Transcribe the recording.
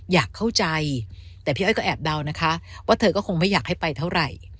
อยากเข้าใจแต่พี่อ้อยก็แอบเดานะคะว่าเธอก็คงไม่อยากให้ไปเท่าไหร่